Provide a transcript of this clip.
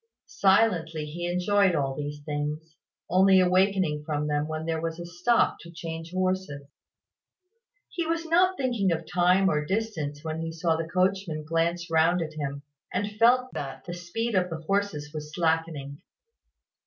Silently he enjoyed all these things, only awakening from them when there was a stop to change horses. He was not thinking of time or distance when he saw the coachman glance round at him, and felt that the speed of the horses was slackening.